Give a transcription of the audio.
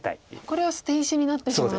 これは捨て石になってしまう。